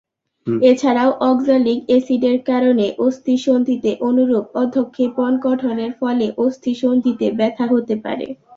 এছাড়াও অক্সালিক অ্যাসিডের কারণে অস্থি-সন্ধিতে অনুরূপ অধ:ক্ষেপণ গঠনের ফলে অস্থি-সন্ধিতে ব্যথা হতে পারে।